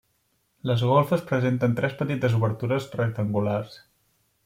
Les golfes presenten tres petites obertures rectangulars.